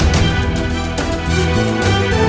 tidak ada yang bisa dihukum